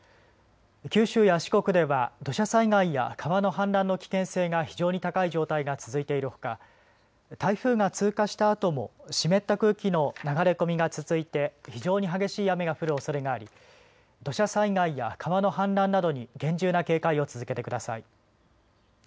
九州や四国では土砂災害や川の氾濫の危険性が非常に高い状態が続いているほか台風が通過したあとも湿った空気の流れ込みが続いて非常に激しい雨が降るおそれがあり土砂災害や川の氾濫などに厳重な警戒を続けてください。